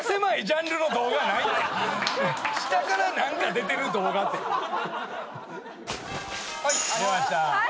下から何か出てる動画って。出ました。